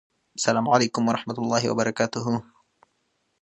سلام علیکم ورحمته الله وبرکاته